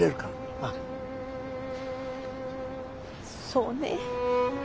そうね。